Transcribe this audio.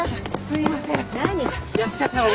すいません。